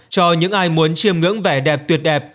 cho những ai muốn chiêm ngưỡng vẻ đẹp tuyệt đẹp